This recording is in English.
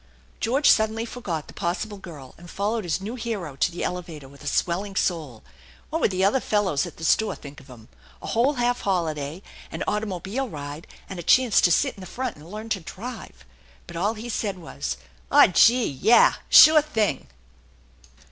George suddenly forgot the possible girl, and followed his new hero to the elevator with a swelling soul. What would the other fellows at the store think of him? A whole half holiday, an automobile ride, and a chance to sit in the front and learn to drive ! But all he said was : "Aw, gee ! Yes, sure thing